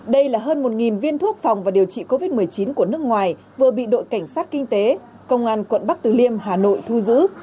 đây là hơn một viên thuốc phòng và điều trị covid một mươi chín của nước ngoài vừa bị đội cảnh sát kinh tế công an quận bắc từ liêm hà nội thu giữ